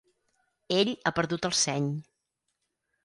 Ell ha perdut el seny.